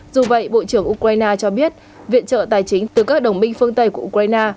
dù vậy bộ trưởng ukraine cho biết viện trợ tài chính từ các đồng minh phương tây của ukraine